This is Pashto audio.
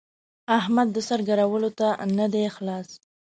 احمد د سر ګرولو ته نه دی خلاص.